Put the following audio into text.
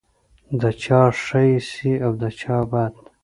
د چا ښه ایسې او د چا بد.